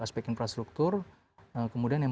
aspek infrastruktur kemudian yang